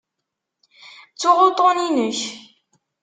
Ttuɣ uṭṭun-inek.